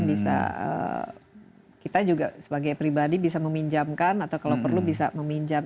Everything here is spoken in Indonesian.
bisa kita juga sebagai pribadi bisa meminjamkan atau kalau perlu bisa meminjam